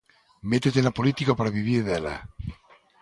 "Métete na política para vivir dela".